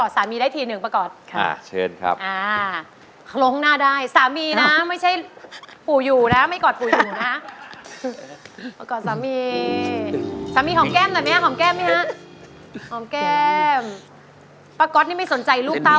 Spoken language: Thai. สามีค่ะ